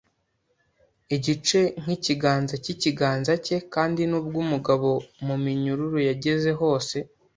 igice nkikiganza cyikiganza cye, kandi nubwo umugabo muminyururu yageze hose